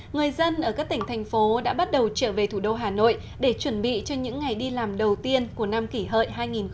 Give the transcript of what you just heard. người dân ở các tỉnh thành phố đã bắt đầu trở về thủ đô hà nội để chuẩn bị cho những ngày đi làm đầu tiên của năm kỷ hợi hai nghìn một mươi chín